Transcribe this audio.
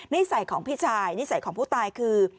นิสัยของพี่ชายนิสัยของผู้ตายคือ